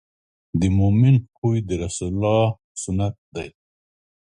د مؤمن خوی د رسول الله سنت دی.